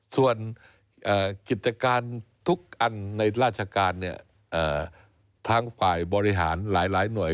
ส่วนกิจการทุกอันในราชการทางฝ่ายบริหารหลายหน่วย